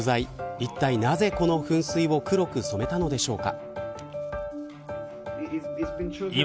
いったい、なぜこの噴水を黒く染めたのでしょうか。